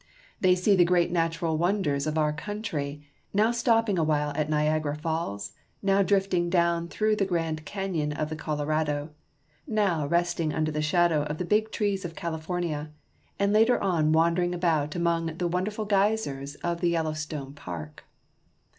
They see the great natural wonders of our country, now stopping awhile at Niagara Falls, now drifting down through the Grand Can yon of the Colorado, now resting under the shadow of the big trees of California, and later on wandering about among the wonderful geysers of the Yellowstone Park.